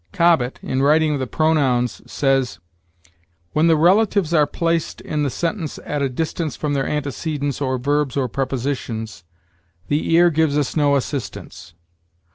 Cobbett, in writing of the pronouns, says: "When the relatives are placed in the sentence at a distance from their antecedents or verbs or prepositions, the ear gives us no assistance.